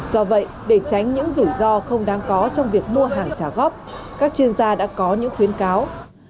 do vậy để tránh những rủi ro không đáng có trong việc mua hàng trả góp các chuyên gia đã có những khuyến cáo